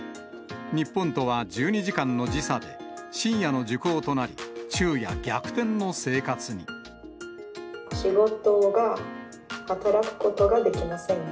日本とは１２時間の時差で、深夜の受講となり、仕事が、働くことができません。